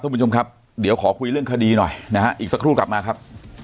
คุณผู้ชมครับเดี๋ยวขอคุยเรื่องคดีหน่อยนะฮะอีกสักครู่กลับมาครับ